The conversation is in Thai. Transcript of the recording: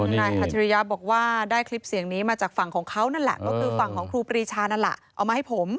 นายอัจฉริยะบอกว่าได้คลิปเสียงนี้มาจากฝั่งของเขานั่นแหละก็คือฝั่งของครูปรีชานั่นแหละเอามาให้ผม